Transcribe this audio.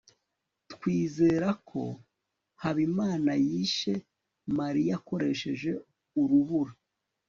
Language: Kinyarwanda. twizera ko habimana yishe mariya akoresheje urubura